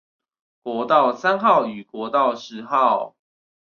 國道三號與國道十號